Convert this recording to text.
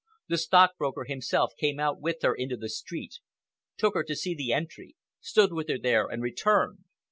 The stockbroker himself came out with her into the street, took her to see the entry, stood with her there and returned.